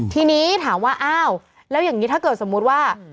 ทีนี้ถามว่าอ้าวแล้วอย่างนี้ถ้าเกิดสมมุติว่า